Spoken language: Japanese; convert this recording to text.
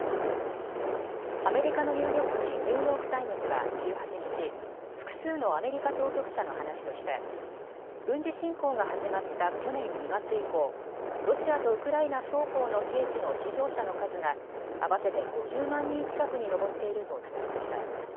アメリカの有力紙、ニューヨーク・タイムズは１８日、複数のアメリカ当局者の話として軍事侵攻が始まった去年２月以降、ロシアとウクライナ双方の兵士の死傷者の数が合わせて５０万人近くに上っていると伝えました。